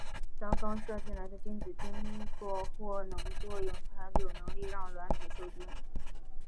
当刚射进来的精子经过获能作用才有能力让卵子授精。